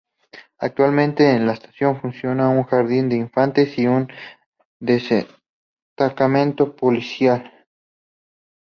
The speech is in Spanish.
Actualmente en la estación funciona un Jardín de Infantes y un destacamento policial.